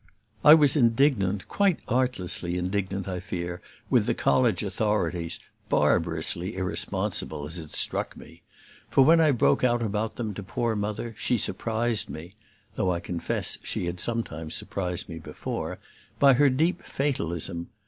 I was indignant, quite artlessly indignant I fear, with the college authorities, barbarously irresponsible, as it struck me; for when I broke out about them to poor Mother she surprised me (though I confess she had sometimes surprised me before), by her deep fatalism.